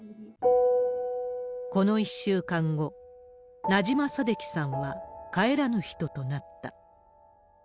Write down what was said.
この１週間後、ナジマ・サデキさんは帰らぬ人となった。